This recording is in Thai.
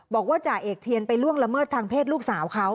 จ่าเอกเทียนไปล่วงละเมิดทางเพศลูกสาวเขา